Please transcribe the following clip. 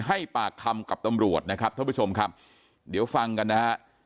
ให้ปากคำกับตำรวจนะครับท่านผู้ชมครับเดี๋ยวฟังกันนะฮะ